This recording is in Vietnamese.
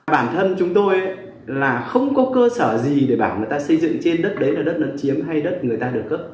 bản thân chúng tôi là không có cơ sở gì để bảo người ta xây dựng trên đất đấy là đất chiếm hay đất người ta được cấp